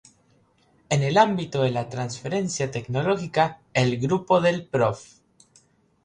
En el ámbito de la transferencia tecnológica, el grupo del Prof.